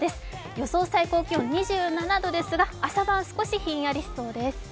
予想最高気温２７度ですが朝晩、少しひんやりしそうです。